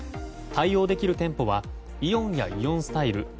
対応できる店舗はイオンやイオンスタイル